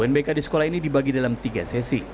unbk di sekolah ini dibagi dalam tiga sesi